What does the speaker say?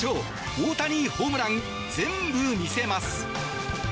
大谷ホームラン全部見せます！